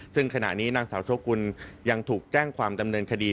ซึ่งขณะนี้นางสาวโชกุลยังถูกแจ้งความดำเนินคดี